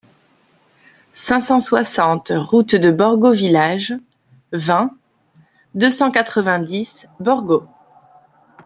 cinq cent soixante route de Borgo Village, vingt, deux cent quatre-vingt-dix, Borgo